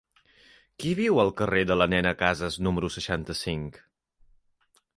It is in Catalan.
Qui viu al carrer de la Nena Casas número seixanta-cinc?